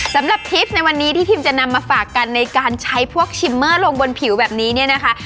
สำหรับทริปในวันนี้ที่ทีมจะนำมาฝากกันในการใช้พวกชิมเมอร์ลงบนผิวแบบนี้เนี่ยนะคะ